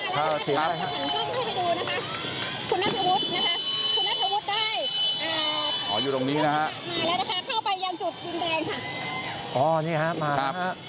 ตกถ่ายก็ไม่พี่มาก็